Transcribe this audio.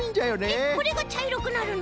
えっこれがちゃいろくなるの？